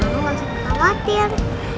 mama masih khawatir